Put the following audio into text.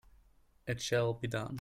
It shall be done!